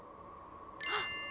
あっ！